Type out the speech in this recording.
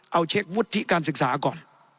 เอาเช็ควุฒิการศึกษาก่อน